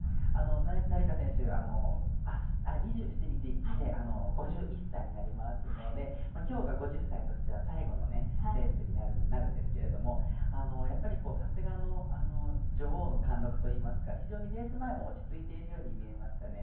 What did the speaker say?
成田選手、２７日５１歳になりますので今日が５０歳としては最後のレースになるんですけどもやっぱり、さすがの女王の貫禄といいますか非常にレース前も落ち着いているように見えました。